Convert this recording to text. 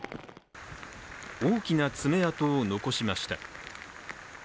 大きな爪痕を残しました。